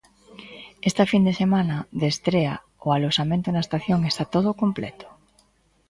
Esta fin de semana de estrea, o aloxamento na estación está todo completo.